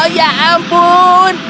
oh ya ampun